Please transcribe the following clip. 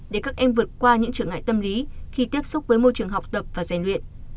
để các em vượt qua những trở ngại tâm lý khi tiếp xúc với môi trường học tập và giàn luyện